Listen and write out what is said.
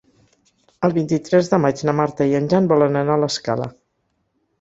El vint-i-tres de maig na Marta i en Jan volen anar a l'Escala.